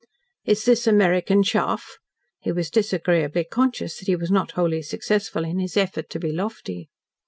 "Is this American chaff?" he was disagreeably conscious that he was not wholly successful in his effort to be lofty.